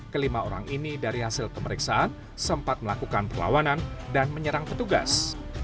kelima orang ini dari hasil pemeriksaan sempat melakukan perlawanan dan menyerang petugas